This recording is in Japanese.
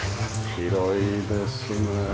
広いですね。